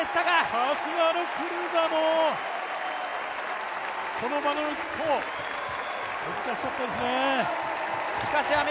さすがのクルーザーもこの場の１投、難しかったですね。